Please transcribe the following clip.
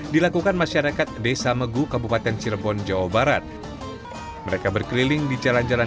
dilakukan masyarakat desa megu kabupaten cirebon jawa barat mereka berkeliling di jalan jalan